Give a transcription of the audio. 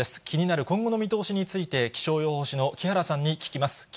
気になる今後の見通しについて、気象予報士の木原さんに聞きます。